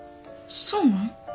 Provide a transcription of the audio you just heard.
そうなん？